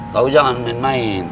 kau jangan main main